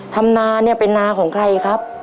ทำนะนี่เป็นนาของใครครับ